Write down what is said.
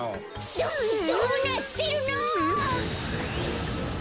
どどうなってるの！？